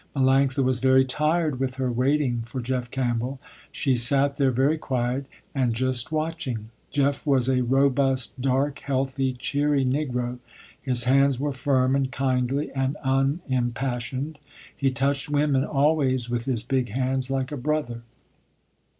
Melanctha was very tired with her waiting for Jeff Campbell. She sat there very quiet and just watching. Jeff was a robust, dark, healthy, cheery negro. His hands were firm and kindly and unimpassioned. He touched women always with his big hands, like a brother.